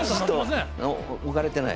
置かれてない。